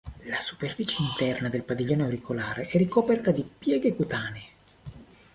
La superficie interna del padiglione auricolare è ricoperta di pieghe cutanee.